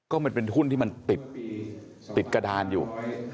ก็มันเป็นหุ้นที่มันติดกระดานอยู่